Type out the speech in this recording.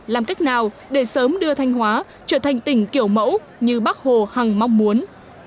làm cách nào để sớm đưa thanh hóa trở thành tỉnh kiểu mẫu như bác hồ hằng mong muốn